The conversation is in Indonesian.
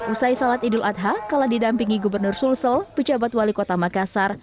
usai salat idul adha kala didampingi gubernur sulsel pejabat wali kota makassar